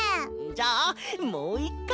じゃあもう１かい！